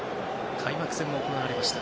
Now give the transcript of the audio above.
開幕戦も行われました。